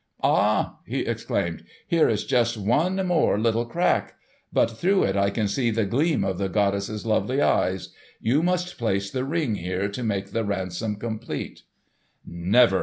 "Ah!" he exclaimed. "Here is just one more little crack. But through it I can see the gleam of the goddess's lovely eyes. You must place the Ring here to make the ransom complete." "Never!"